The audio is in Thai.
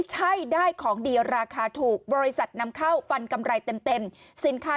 ใช่ได้ของดีราคาถูกบริษัทนำเข้าฟันกำไรเต็มสินค้า